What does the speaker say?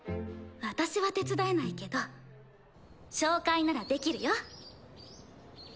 私は手伝えないけど紹介ならできるよ。